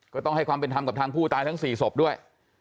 ก็ต้องให้ความเป็นธรรมกับทางผู้ตายทั้ง๔ศพด้วย